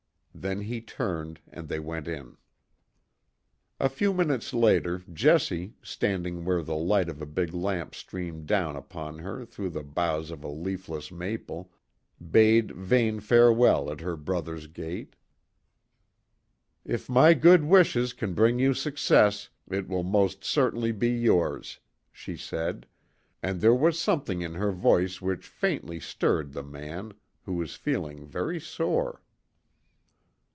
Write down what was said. Then he turned, and they went in. A few minutes later, Jessie, standing where the light of a big lamp streamed down upon her through the boughs of a leafless maple, bade Vane farewell at her brother's gate. "If my good wishes can bring you success, it will most certainly be yours," she said; and there was something in her voice which faintly stirred the man, who was feeling very sore.